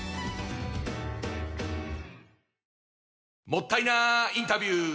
もったいなインタビュー！